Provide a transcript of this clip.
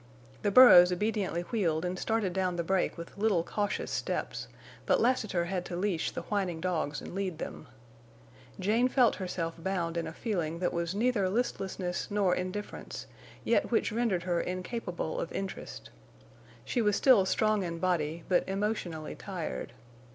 The burros obediently wheeled and started down the break with little cautious steps, but Lassiter had to leash the whining dogs and lead them. Jane felt herself bound in a feeling that was neither listlessness nor indifference, yet which rendered her incapable of interest. She was still strong in body, but emotionally tired.